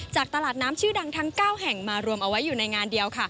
จากตลาดน้ำชื่อดังทั้ง๙แห่งมารวมเอาไว้อยู่ในงานเดียว